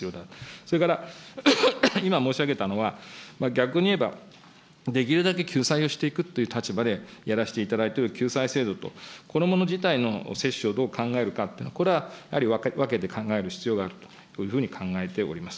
それから、今申し上げたのは、逆に言えば、できるだけ救済をしていくという立場でやらせていただいている救済制度と、このもの自体の接種をどう考えるかというのは、これはやはり分けて考える必要があるというふうに考えております。